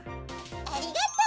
ありがとう！